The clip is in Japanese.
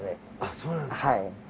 そうなんですか。